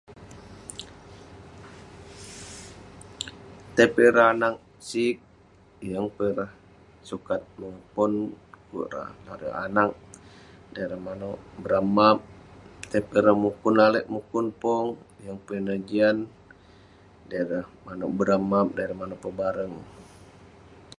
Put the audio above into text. Tai peh ireh anag sik, yeng peh ireh sukat mongen pon pu'kuk ireh larui anag, dey ireh manouk merap'map. Tai peh ireh mukun lalek, mukun pong, yeng peh ineh jian..dey ireh manouk merap'map..dey ireh manouk pabareng..